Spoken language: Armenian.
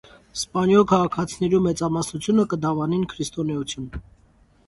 Սպանիոյ քաղաքացիներու մեծամասնութիւնը կը դաւանին քրիստոնէութիւն։